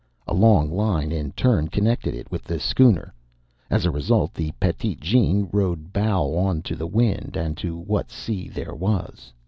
A long line, in turn, connected it with the schooner. As a result, the Petite Jeanne rode bow on to the wind and to what sea there was.